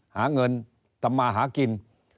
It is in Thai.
หาเงินทำมาหากิน